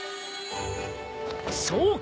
そうか！